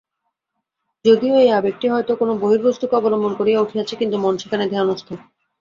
যদিও এ আবেগটি হয়তো কোন বহির্বস্তুকে অবলম্বন করিয়া উঠিয়াছে, কিন্তু মন সেখানে ধ্যানস্থ।